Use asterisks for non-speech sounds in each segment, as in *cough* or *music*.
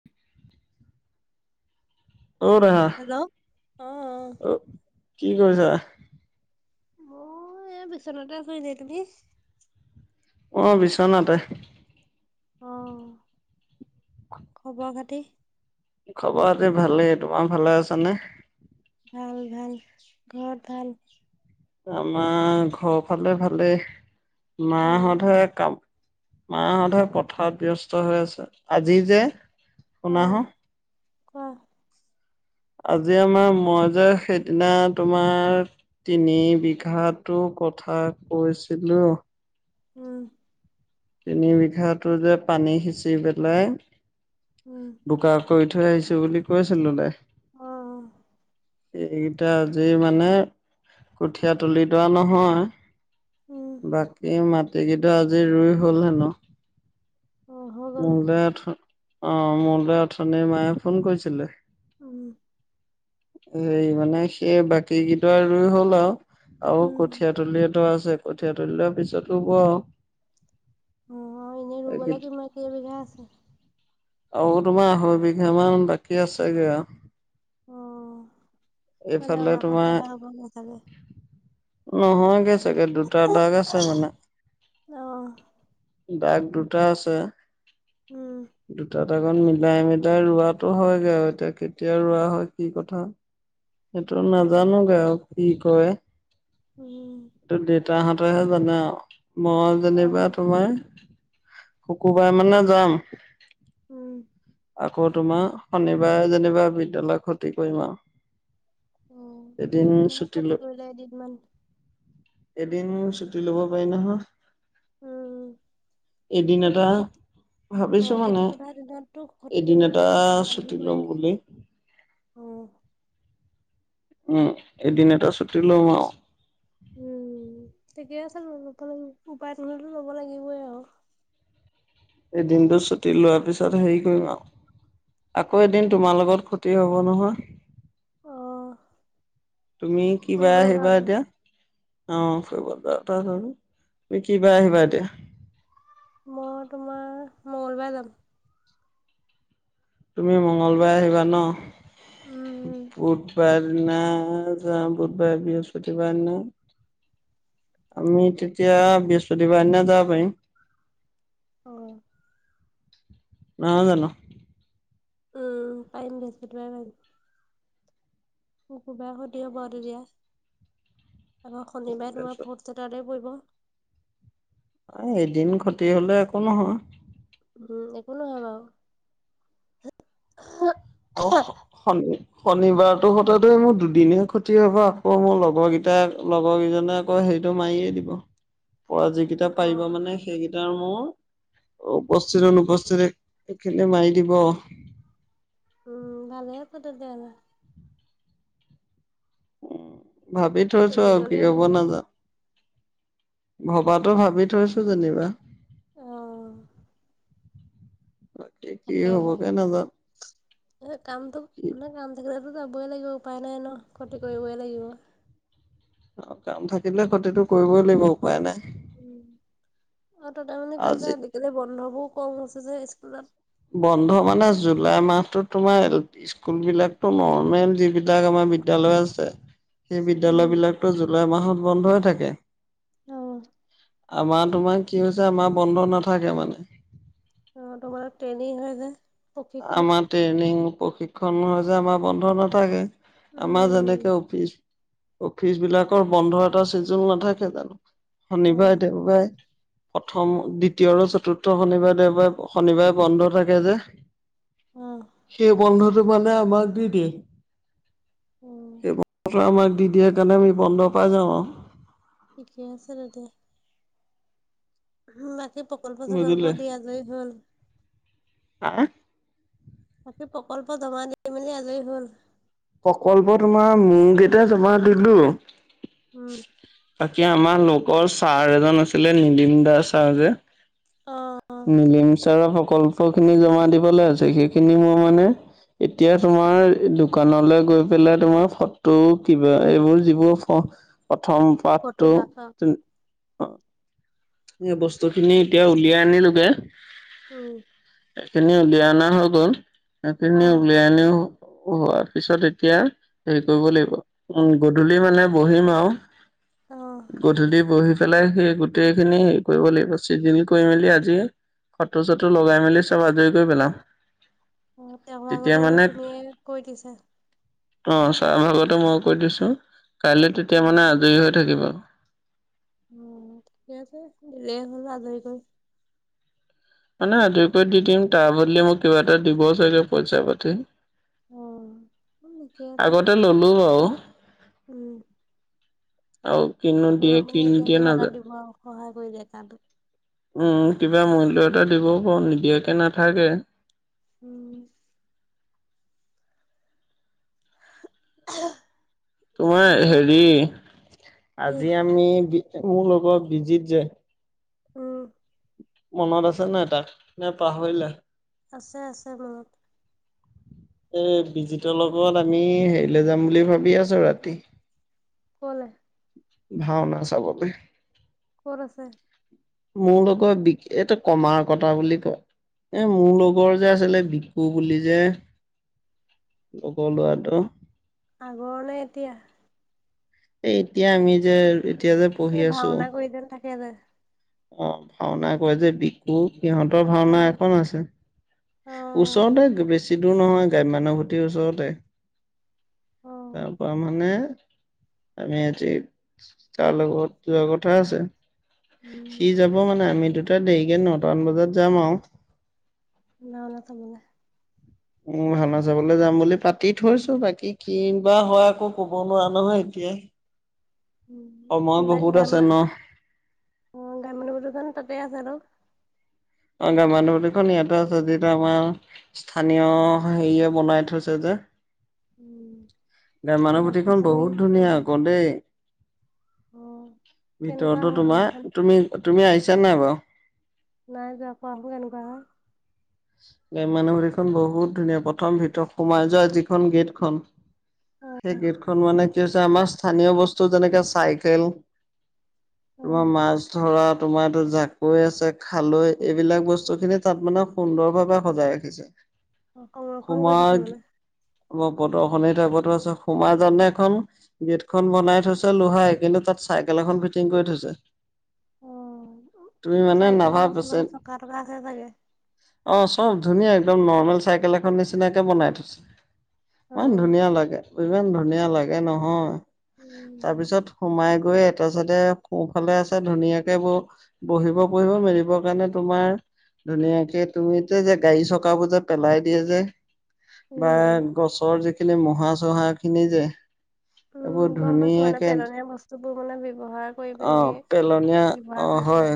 *inaudible* অ' দেহা হেল্ল' অ', কি কৰিছা? মই এই বিচনাতে আছো এনেই, তুমি? অ, বিছনাতে। অ', খবৰ খাতি? খবৰ খাতি ভালেই, তোমাৰ ভালে আছানে? ভাল ভাল, ঘৰত ভাল। আমাৰ ঘৰ ফালে ভালে, অ মাহতৰহে কাম মাহতহে পথাৰত ব্যস্ত হৈ আছে, আজি যে শুনা হ। কোৱা আজি আমাৰ মই যে সেইদিনা তোমাৰ। তিনি বিঘাতো কথা কৈছিলো। উম। তিন বিঘাটো যে পানী সিঁচি পেলাই উম বোকা কৰি থৈ আহিছো। সেই বুলি কৈছিল ওলাই অ অ এইকেইটা আজি মানে, কঠীয়া তুলি দৰে নহয়। উম বাকী মাটিকেইটা আজি ৰুই হ'ল হেনো। অ হৈ গ'ল মোৰলৈ আঠ, অ', মোৰ লৈ অথনি মায়ে ফোন কৰিছিলে। উম। হে মানে সেই বাকী কেইটা ৰুই হ'ল আৰু। আৰু উম কঠীয়া তলিয়টো আছে কঠীয়া তলিৰ পিছত হ'ব আও। অ', এনেই ৰুব লাগে কেইবিঘা আছে। আৰু তোমাৰ আঢ়ৈ বিঘা মান বাকী আছেগে আৰু অ', মানে এইফালে অহা তোমাৰ সপ্তাহলে হ'ব গে চাগে। নহয়গে চাগে দুটা দাগ আছে মানে। অ দাগ দুটা আছে উম দুটাত মিলাই, মিলাই ৰোৱাাতটো হয়গৈ আৰু এতিয়া কেতিয়া ৰোৱা হয় কি কথা সেইটো তাকে নাজানোগে আৰু কি কয় উম। দেউতাহঁতেহে জানে আৰু মই অ যেনিবা তোমাৰ শুকুৰবাৰে মানে যাম। উম। আকৌ তোমাৰ শনিবাৰে যেনিবা বিদ্যালয় ক্ষতি কৰিম আৰু অ', এদিন একো নহয় ছুটি ক্ষতি লৈ কৰিলে এদিনমান। এদিন ছুটি লব পাৰি নহয়। উম এদিন এতিয়া এটা খেতি ভাবিছো অ', মানে খেতি পথাৰ দিনতটো ক্ষতি এদিন এটা কৰিব ছুটি লম লাগিবই। বুলি উম। উম, এদিন এটা ছুটি লম আৰু উম, ঠিকেই আছে উপায় নহ'লেটো ল'ব লাগিবই আৰু এদিনটো ছুটি লোৱাৰ পিছত হেৰি কৰিম আৰু আকৌ এদিন উম তোমাৰ লগত ক্ষতি হ'ব নহয়। অ তুমি কি বাৰে ফুৰিবলৈ যাম আহিবা এতিয়া? অ', ফুৰিব যোৱা কথা আছে যে তুমি কি বাৰে আহিবা এতিয়া? মই তোমাৰ মঙগলবাৰে যাম। তুমি মংগলবাৰ আহিবা ন উম বুধবাৰে দিনা যা বুধবাৰে বৃহস্পতিবাৰে দিনা আমি তেতিয়া বৃহস্পতিবাৰ দিনা যাব পাৰিম। অ',। নহয় জানো? উম, পাৰিম বৃহস্পতি বাৰে পাৰিম। শুকুৰবাৰে ক্ষতি হ'ব আৰু তেতিয়া আকৌ শনিবাৰে তোমাৰ তাৰপিছত ফৰ্ট ছেটাৰডে পৰিব। এদিন ক্ষতি হলে একো নহয়। উম, একো নহয় বাৰু অ, সন্দ শনিবাৰতো সতেটো মোৰ দুদিনহে ক্ষতি হব আকৌ মোৰ লগৰ কেইটাক লগৰ কেইজনে হেইটো মাৰিয়ে দিব পৰা যিকেইটা অ পাৰিব মানে সেইকেইটাৰ মোৰ উপস্থিত অনুপস্থিতখিনি মাৰি দিব। উম, ভালে হব তেতিয়া হলে। ভাবি থৈছো চলি আৰু কি গ'লেই হ'ব হ'ল আৰু নাজানো। ভবাতো ভাবি থৈছো যেনিবা। অ'। বাক কি হ'ব গে নাজানো। অ', কামটো কি ন কাম থাকিলে টো যাবই লাগিব উপায় নাই ন ক্ষতি কৰিবই লাগিব। কাম থাকিলে ক্ষতিটো কৰিবই লাগিব উপায় নাই। উম, আৰু তাতে মানে কি আজি হৈছে আজিকালি বন্ধবোৰ কম হৈছে যে স্কুলত। বন্ধ মানে জুলাই মাহতো তোমাৰ স্কুল বিলাকতো নৰ্মেল যিবিলাক আমাৰ বিদ্যালয় আছে সেই উম বিদ্যালয়বিলাকতো জুলাই মাহত বন্ধই থাকে। অঁ। আমাৰ তোমাৰ কি হৈছে আমাৰ বন্ধ নাথাকে মানে। অ' তোমাৰ ট্ৰেইনিং হয় যে, প্ৰশিক্ষক। আমাৰ ট্ৰেইনিং প্ৰশিক্ষণ হয় যে আমাৰ বন্ধ নাথাকে। আমাৰ যেনেকে উম অফিচ অফিচ বিলাকৰ বন্ধ এটা ছিজন নাথাকে জানো। অহ শনিবাৰে দেওবাৰে প্ৰথম দ্বিতীয় আৰু চতুৰ্থ শনিবাৰে দেওবাৰে শনিবাৰে বন্ধ থাকে যে, উম', সেই বন্ধটো মানে আমাক দি দিয়ে। উম সেই বন্ধটো আমাক দি দিয়ে সেইকাৰণে আমি বন্ধ পাই যাওঁ। আৰু ঠিকেই আছে তেন্তে। বাকী প্ৰকল্প বুজিলে -চকল্প দিয়া যে হ'ল? হা, বাকী প্ৰকল্প জমা দি মেলি আজৰি হ'ল? প্ৰকল্প তোমাৰ মেইনগিতা জমা দিলোঁ। উম', বাকী আমাৰ লোকৰ ছাৰ এজন আছিলে। নীলিম দা ছাৰ যে, অ', অ', নীলিম ছাৰৰ সকল্প খিনি জমা দিবলৈ আছে। সেইখিনি মই মানে এতিয়া তোমাৰ দোকানলৈ গৈ পেলাই। তোমাৰ ফটো কিবা এইবোৰ যিবোৰ প্ৰথম পাঠটো ফটোগ্ৰাফাৰ এই বস্তুখিনি এতিয়া উলিয়াই আনিলোগে, উহ', সেইখিনি উলিয়াই অনা হৈ গ'ল। সেইখিনি অহ। উলিয়াই আনি হোৱাৰ পিছত এতিয়া হেৰি কৰিব লাগিব। উম' গধূলি মানে বহিম আৰু অহ', গধূলি বহি পেলাই সেই গোটেই খিনি হেৰি কৰিব লাগিব। চিদিল কৰি মেলি আজিয়ে, ফটো চটো লগাই মেলি চব আজৰি কৰি পেলাম। অ' তেওঁৰ ভাগৰটো মানে তুমি কৰি দিছা? অ' ছাৰৰ ভাগৰটো মই কৰি দিছোঁ কাইলৈ তেতিয়া উম। মানে আজৰি হৈ থাকিব। উ' ঠিকে আছে, দিলেই হ'ল আজৰি কৰি। মানে আজৰি কৰি দি দিম তাৰ বদলি মোক কিবা এটা দিব চাগে পইচা পাতি। অ উম ঠিকে আছে আগতে ললো বাৰু, উম', অ' কিন্তু অ' মানে এতিয়া কিবা এটা দিব আৰু সহায় কৰি দিয় কামটো। উম' কিবা মূল্য এটা দিবও বাৰু নিদিয়াকে নাথাকে। উম' তোমাৰ তাৰপিছত হেৰি, কি আজি আমি বি মোৰ লগৰ বিজিত যে অহ', মনত আছেন নাই তাক নে পাহৰিলাই? আছে আছে মনত। এই বিজিতৰ লগত আমি হেৰিলৈ যাম বুলি ভাবি আছোঁ ৰাতি। কৰলে? ভাওনা চাবলেহ। ক'ত আছে? মোৰ লগৰ বিকু এইটো কমাৰ কটা বুলি কয়। এ মোৰ লগৰ যে আছিলে বিকু বুলি যে লগৰ ল'ৰাটো আগৰ নে এতিয়া? এই এতিয়া, আমি যে এতিয়া যে পঢ়ি এই আছো ভাওঁনা কৰি যেন থাকে যে অ ভাওঁনা কৰে যে বি সিহঁতৰ অ ভাওঁনা এখন আছে, অ ওচৰতে বেছি বেছি দূৰ নহয় গ্ৰাম্যানুভূতিৰ ওচৰতে অ তাৰ পৰা মানে আমি আজি যাৰ লগত যোৱা কথা আছে। উম সি যাব মানে আমি দুটা দেৰিকে নটামান বজাত যাম আৰু না নঠগো দে উ ভাওঁনা চাবলৈ যাম বুলি পাতি থৈছো বাকী কি বা হয় আকৌ কব নোৱাৰো নহয় এতিয়াই আছে ন গ্ৰাম্যানভূতিখন তাতেই আছে ন অ গ্ৰাম্যানুভূতিখন ইয়াতে আছে যিটো আমাৰ স্থানীয় হেৰিয়ে বনাই থৈছে যে উম গছ গ্ৰাম্যানুভুটিখন গছনি বহুত অ ধুনীয়া আকৌ দেই অ কেনেকুৱা ভিতৰতো হয় ঘৰখন তোমাৰ তুমি তুমি আহিছা নাই বাৰু নাই যোৱা কোৱাছোন কেনেকুৱা হয় গুাম্যানুভূতিখন বহুত ধুনীয়া প্ৰথম ভিতৰত সোমাই যোৱা যিখন গেটখন সেই গেটখন মানে কি হৈছে আমাৰ স্থানীয় বস্তু যেনেকে চাইকেল তোমাৰ মাছ ধৰা তোমাৰ জাকৈ আছে খালৈ এইবিলাক বস্তুখিনি তাত মানে সুন্দৰভাৱে সজাই ৰাখিছে সংৰক্ষণ কৰি সোমোৱা থৈছে মানে প্ৰদৰ্শনী টাইপতো আছে সোমা যাওতে এখন গেটখন বনাই থৈছে লোহাৰে কিন্তু তাত চাইকেল এখন ফিটিং কৰি থৈছে অ', তুমি মানে চাইকেলৰ নাৰ্ভৰ পেচেণ্ট *inaudible* অ চব ধুনীয়া একদম নৰ্মেল চাইকেল এখন নিচিনাকে বনাই থৈছে। ইমান অ', ধুনীয়া লাগে ইমান ধুনীয়া লাগে নহয় উম তাৰপিছত সোমাই গৈ তাৰপিছতে সোঁফালে আছে ধুনীয়াকে ব বহিব পঢ়িব মেলিবৰ কাৰণে তোমাৰ ধুনীয়াকে তুমিতে যে গাড়ী চকাবোৰ যে পেলাই দিয়ে যে বা উম গছৰ যিখি এই মুড়া চুড়া খিনি যে এইবোৰ উম গম পাইছো মানে ধুনীয়াকে পেলনীয়া বস্তুবোৰ মানে ব্যৱহাৰ কৰি পিনে আহ পেলনীয়া ব্যৱহাৰ অ কৰিছে হয় আৰু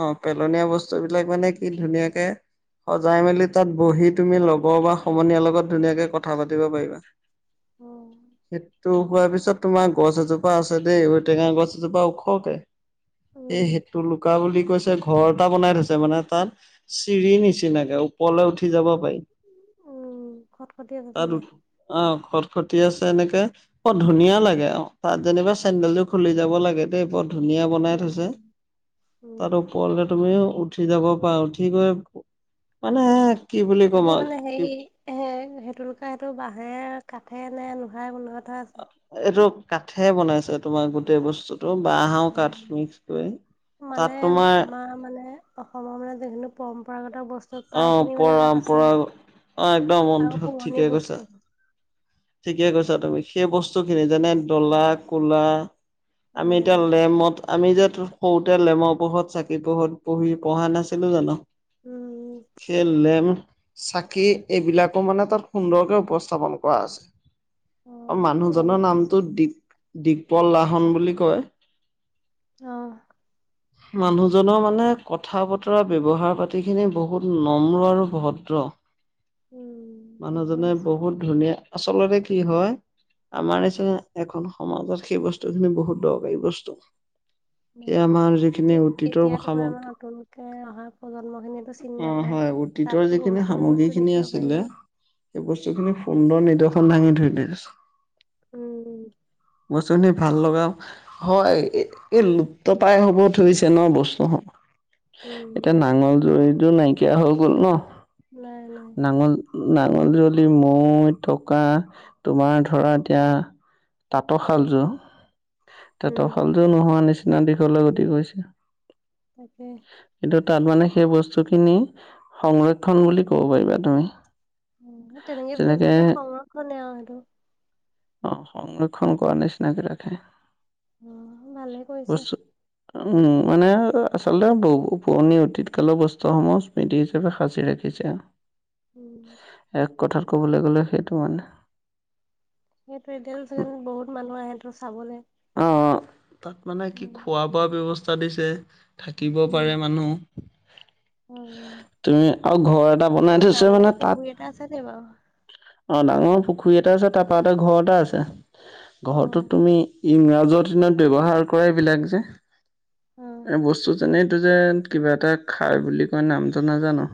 অ পেলনীয়া বস্তু বিলাক মানে কি ধুনীয়াকে সজাই মেলি তাত বহি তুমি ল'ব বা সমনীয়াৰ লগত ধুনীয়াকে কথা পাতিব পাৰিবা। অ', সেইটো হোৱাৰ পিছত তোমাৰ গছ এজোপ পা আছে দেই ঔ টেঙা গছ এজোপা ওখকে উম এই সেইটো লোক কা বুলি কৈছে ঘৰ এটা বনাই থৈছে মানে তাত চিৰি নিচিনাকে ওপৰলে উঠি যাব উম খটখটি আছে তাত চাগে উঠি অ খত খতি আছে এনেকে বৰ ধুনীয়া লাগে আও তাত যেনিবা চেন্দেলযোৰ খুলি যাব লাগে দেই বৰ ধুনীয়া বনাই থৈছে, উম উম তাত ওপৰলে তুমি উঠি যাব পাৰা কি কৰে মানে কি বুলি ক'ম এইবোৰ আৰু মানে কি হেৰি এ সেইটোুলোকে সেইটো বাঁহেৰে কাঠে নে লোহাৰে বনোৱা থোৱা আছে। এইটো কাঠে বনাইছে তোমাৰ গোটেই বস্তু বাঁহ আৰু কাঠ উম মিক্স কৰি তাত তোমাৰ আ মানে অসমৰ মানে যিখিনি পৰম্পৰাগত বস্তু অ প্ৰায়খিনি মানে পৰা তাত পৰা আছেই, অ একদম আৰু বন্ধু ঠিকে পুৰণি কৈছা বস্তু। ঠিকে কৈছা তুমি, সেই বস্তু খিনি যেনে ডলা, কোলা। আমি এতিয়া উম, লেমত আমি যে সৰুতে লেমৰ পোহৰত, চাকি পোহৰত পঢ়ি পঢ়া নাছিলোঁ জানো। উম, সেই লেম, চাকি এইবিলাকো মানে তাত সুন্দৰকে উপস্থাপন কৰা আছে। আৰু অ' ভালে মানুহজনৰ কৈছে। নামটো দি দিগপল লাহন বুলি কয়। অ', *unintelligible* মানুহজনৰ মানে কথা বতৰা ব্যৱহাৰ পাতিখিনি বহুত নম্ৰ আৰু ভদ্ৰ। উম, ঠিকে মানুহজনে আছে। বহুত ধুনীয়া আচলতে কি হয় আমাৰ নিচিনা এখন সমাজত সেই বস্তুখিনি বহুত দৰকাৰী বস্তু। সেই আমাৰ যিখিনি এতিয়া, অতীতৰ এতিয়াতো আমাৰ সামগ্ৰী নতুনকে অহা প্ৰজন্ম খিনিয়টো চিনি অ নাপায়। হয় অতীতৰ তাততো বহুত খিনি বস্তু দেখিব পাৰিব। এই বস্তুখিনিয়ে সুন্দৰ নিদৰ্শন দাঙি ধৰিলে উম', বস্তুখিনি ভাল লগাওঁ হয়, এই লুপ্তপাই হ'ব ধৰিছে ন' বস্তু এতিয়া উম, নাঙল জুৱলিযোৰ নাইকিয়া হৈ গ'ল ন'! নাই, নাই নাঙল, নাঙল জোৱলি, মৈ থকা তোমাৰ ধৰা এতিয়া তাঁতশালযোৰ, উম, তাঁতশালযোৰটো নোহোৱা নিচিনা দিশলৈ গতি কৰিছে। তাকে কিন্তু তাত মানে সেই বস্তুখিনি সংৰক্ষণ বুলি ক'ব পাৰিবা তুমি। তেনেকে থৈছে যেনেকে যেতিয়া সংৰক্ষণে আৰু সেইটো। অ', সংৰক্ষণ কৰাৰ নিচিনাকে ৰাখে। অ', ভালেই কৰিছে। উম্, মানে আচলতে বহু পুৰণি অতীত কালৰ বস্তুসমূহ স্মৃতি হিচাপে সাঁচি ৰাখিছে। উম। এক কথাত ক'বলৈ গ'লে সেইটো মানে সেইটো এতিয়াটো বহুত মানুহ আহেটো চাবলৈ অ', তাত মানে কি খোৱা বোৱা ব্যৱস্থা দিছে, থাকিব পাৰে মানুহ উম, তুমি, আৰু ঘৰ এটা বনাই থৈছে মানে তাত। কেইটা আছে দেই বাৰু? অ', ডাঙৰ পুখুৰী এটা আছে, তাৰ পাৰতে ঘৰ এটা আছে। ঘৰটোত অ', তুমি ইংৰাজৰ দিনত ব্যৱহাৰ কৰে এইবিলাক যে, অ', এই বস্তু যেনে এইটো যে কিবা এটা খাই বুলি কয়, নামটো নাজানোঁ।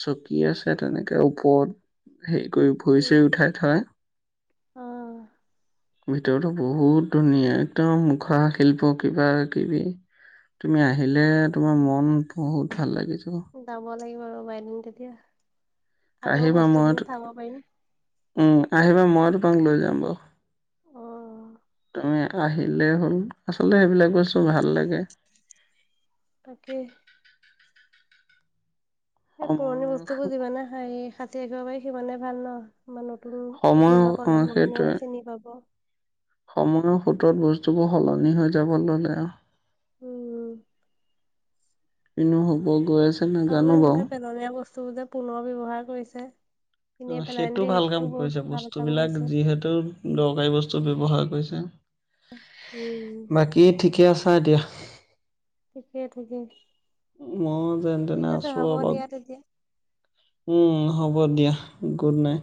চকী আছে, তেনেকে ওপৰত হেৰি কৰি থৈছে, উঠাই থয়। অ', ভিতৰতো বহুত ধুনীয়া, একদম মুখা শিল্প কিবা কিবি তুমি আহিলে, তোমাৰ উম। মন বহুত ভাল লাগি যাব। যাব লাগিব ৰ'বা এদিন তেতিয়া, আগৰ আহিবা মই বস্তুখিনি চাব পাৰিম। আহিবা, মই তোমাক লৈ যাম বাৰু। অ' তুমি আহিলেই হ'ল, আচলতে সেইবিলাক বস্তু ভাল লাগে। তাকে এই পুৰণি সময় বস্তুবোৰ যিমানে সাঁচি ৰাখিব পাৰি, সিমানে ভাল ন'। বা নতুন সময় উঠি অহা অ, প্ৰজন্মখিনিও সেইটোৱে। চিনি পাব। সময়ৰ সোঁতত বস্তুবোৰ সলনি হৈ যাব ল'লে আৰু। উম। কিনো হ'ব গৈ আছে। আৰু নাজানো যেন বাৰু। তাতে পেলনীয়া বস্তুবোৰ যে পুনৰ ব্যৱহাৰ কৰিছে। এনেই অ' পেলাই সেইটো নিদি ভাল সেইটোও কাম বহুত কৰিছে ভাল কাম বস্তুবিলাক কৰিছে। যিহেতু দৰকাৰী বস্তু ব্যৱহাৰ কৰিছে। উম বাকী ঠিকে আছা এতিয়া? ঠিকেইে ঠিকেইে। মই যেন তেনে আছো অবাক দিয়া তেতিয়া। হ'ব দিয়া গুড নাইট।